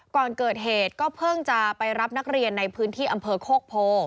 ก่อนเกิดเหตุก็เพิ่งจะไปรับนักเรียนในพื้นที่อำเภอโคกโพ